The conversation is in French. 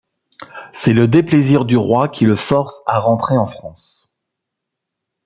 C'est le déplaisir du roi qui le force à rentrer en France.